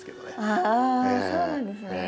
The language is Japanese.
ああそうなんですね。